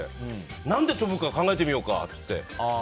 何で飛ぶか考えてみようかって言って。